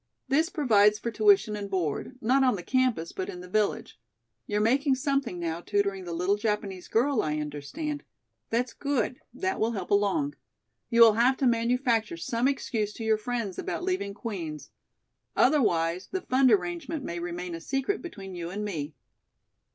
This provides for tuition and board, not on the campus, but in the village. You're making something now tutoring the little Japanese girl, I understand. That's good. That will help along. You will have to manufacture some excuse to your friends about leaving Queen's. Otherwise, the fund arrangement may remain a secret between you and me."